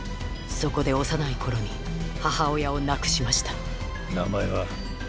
そこで幼い頃に母親を亡くしました名前は？